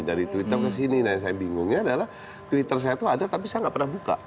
dari twitter ke sini nah yang saya bingungnya adalah twitter saya tuh ada tapi saya nggak pernah buka